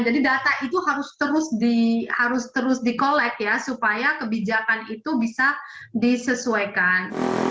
jadi data itu harus terus dikolek ya supaya kebijakan itu bisa disesuaikan